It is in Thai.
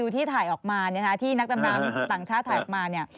ที่นักสำนักทำน้ำต่างชาติถ่ายออกมา